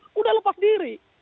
sudah lepas diri